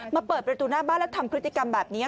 เปิดประตูหน้าบ้านแล้วทำพฤติกรรมแบบนี้